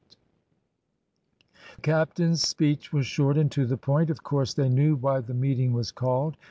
The captain's speech was short and to the point. Of course they knew why the meeting was called.